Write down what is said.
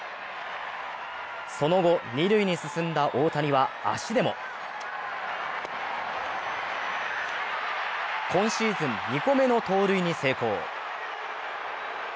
その後、二塁に進んだ大谷は足でも今シーズン２個目の盗塁に成功。